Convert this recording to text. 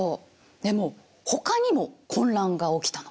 でもほかにも混乱が起きたの。